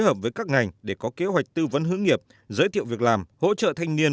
quan các ngành để có kế hoạch tư vấn hướng nghiệp giới thiệu việc làm hỗ trợ thanh niên